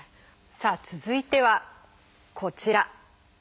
さあ続いてはこちら。